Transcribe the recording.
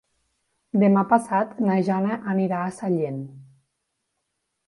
Demà passat na Jana anirà a Sallent.